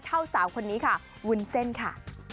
สาวคนนี้ค่ะวุ้นเส้นค่ะ